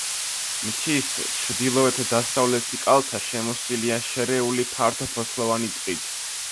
მთის ჩრდილოეთ-დასავლეთი კალთა შემოსილია შერეული ფართოფოთლოვანი ტყით.